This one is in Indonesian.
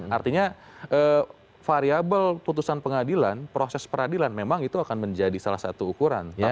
artinya variable putusan pengadilan proses peradilan memang itu akan menjadi salah satu ukuran